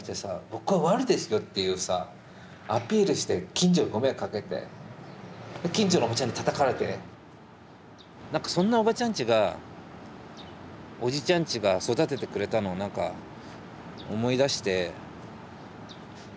「僕は悪ですよ」っていうさアピールして近所にご迷惑かけて近所のおばちゃんにたたかれて何かそんなおばちゃんちがおじちゃんちが育ててくれたのを何か思い出して。